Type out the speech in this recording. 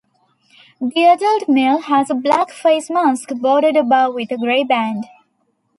The adult male has a black facemask, bordered above with a gray band.